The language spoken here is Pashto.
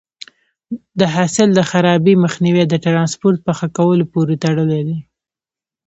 د حاصل د خرابي مخنیوی د ټرانسپورټ په ښه کولو پورې تړلی دی.